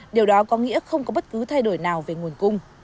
điều đó có nghĩa không có bất cứ thay đổi nào về nguồn cung